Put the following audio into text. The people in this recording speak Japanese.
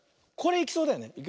これいきそうだよね。